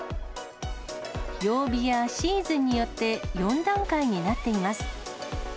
曜日やシーズンによって、４段階になっています。